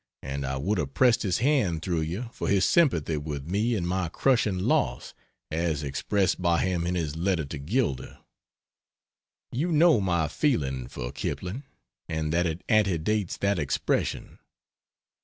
And I would have pressed his hand, through you, for his sympathy with me in my crushing loss, as expressed by him in his letter to Gilder. You know my feeling for Kipling and that it antedates that expression.